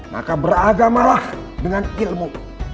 maka beragamalah dengan ilmu